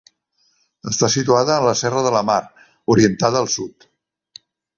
Està situada en la serra de la Mar, orientada al sud.